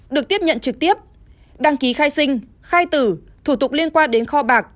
được tiếp nhận trực tiếp đăng ký khai sinh khai tử thủ tục liên quan đến kho bạc